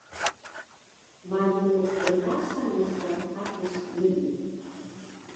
malu pntasan na ka patis nii